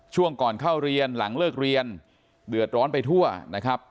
ช่วงก่อนเข้าเรียนหลังเลิกเรียนเดือดร้อนไปทั่วนะครับ